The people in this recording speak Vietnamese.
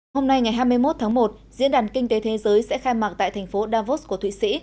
hôm nay ngày hai mươi một tháng một diễn đàn kinh tế thế giới sẽ khai mạc tại thành phố davos của thụy sĩ